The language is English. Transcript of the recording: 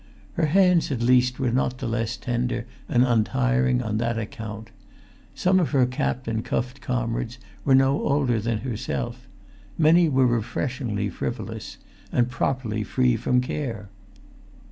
Her hands at least were not the less tender and untiring on that account. Some of her capped and cuffed comrades were no older than herself; many were refreshingly frivolous, and properly free from care.